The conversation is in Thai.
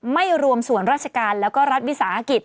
ไม่รวมส่วนราชการแล้วก็รัฐวิสาหกิจ